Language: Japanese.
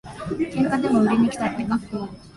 喧嘩でも売りにきたってか。